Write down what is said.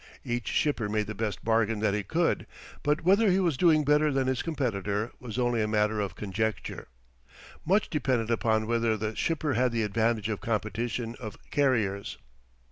Each shipper made the best bargain that he could, but whether he was doing better than his competitor was only a matter of conjecture. Much depended upon whether the shipper had the advantage of competition of carriers.